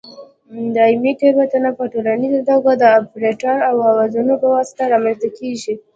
دایمي تېروتنې په ټولیزه توګه د اپرېټر او اوزارونو په واسطه رامنځته کېږي.